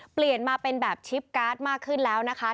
เปลี่ยนมาเป็นแบบชิปการ์ดมากขึ้นแล้วนะคะ